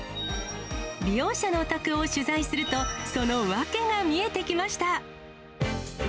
利用者のお宅を取材すると、その訳が見えてきました。